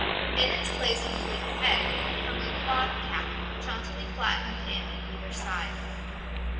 In its place on the wooden peg hung a cloth cap jauntily flattened in on either side.